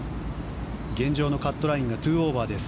現状のカットラインが２オーバーです。